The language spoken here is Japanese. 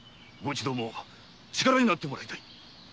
ご一同も力になってもらいたい。